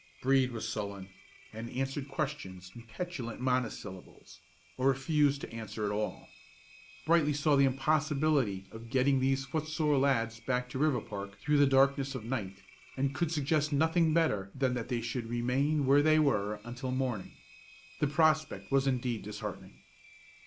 Brede was sullen, and answered questions in petulant monosyllables, or refused to answer at all. Brightly saw the impossibility of getting these foot sore lads back to Riverpark through the darkness of night, and could suggest nothing better than that they should remain where they were until morning. The prospect was indeed disheartening.